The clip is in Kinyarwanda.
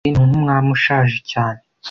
imana yumuhinzi ni nkumwami ushaje cyane